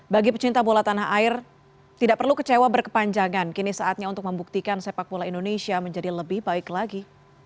bagi pecinta bola tanah air tidak perlu kecewa berkepanjangan kini saatnya untuk membuktikan sepak bola indonesia menjadi lebih baik lagi